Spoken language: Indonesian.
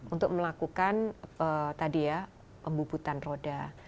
untuk melakukan tadi ya pembubutan roda